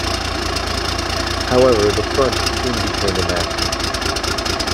However, the front soon became inactive.